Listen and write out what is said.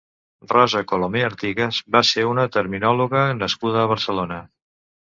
Rosa Colomer Artigas va ser una terminòloga nascuda a Barcelona.